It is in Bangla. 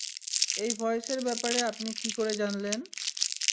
এই ভয়েসের ব্যাপারে আপনি কি করে জানলেন?